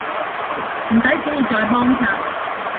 唔使旨意再幫襯